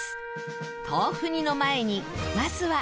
豆腐煮の前にまずは。